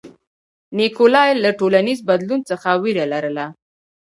نیکولای له ټولنیز بدلون څخه وېره لرله.